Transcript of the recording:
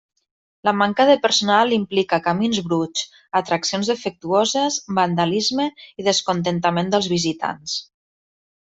La manca de personal implica camins bruts, atraccions defectuoses, vandalisme i descontentament dels visitants.